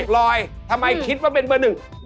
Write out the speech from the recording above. รอยทำไมคิดว่าเป็นเบอร์หนึ่ง